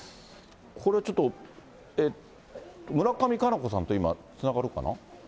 これ、ちょっと、村上佳菜子さんと今、つながるかな。